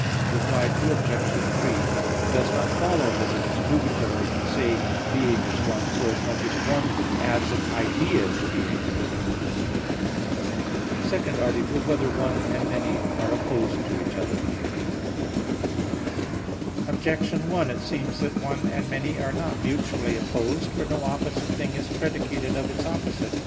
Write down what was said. Reply Obj. 3: It does not follow that it is nugatory to say "being" is "one"; forasmuch as "one" adds an idea to "being." _______________________ SECOND ARTICLE [I, Q. 11, Art. 2] Whether "One" and "Many" Are Opposed to Each Other? Objection 1: It seems that "one" and "many" are not mutually opposed. For no opposite thing is predicated of its opposite.